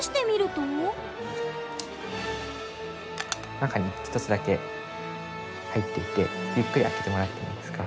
中に一つだけ入っていてゆっくり開けてもらってもいいですか？